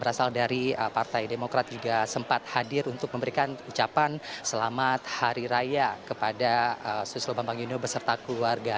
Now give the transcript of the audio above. berasal dari partai demokrat juga sempat hadir untuk memberikan ucapan selamat hari raya kepada susilo bambang yudho beserta keluarga